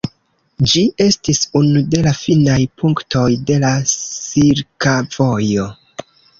Ĝi estis unu de la finaj punktoj de la silka vojo.